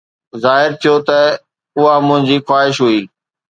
ظاهر ٿيو ته اها منهنجي خواهش هئي.